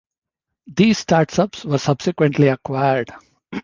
These start ups were subsequently acquired.